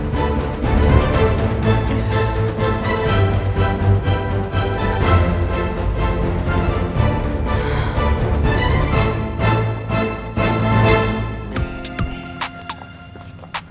kasih tau gak carlo